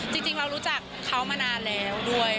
จริงเรารู้จักเขามานานแล้วด้วย